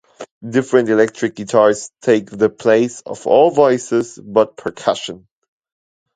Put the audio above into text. Different electric guitars take the place of all voices but percussion.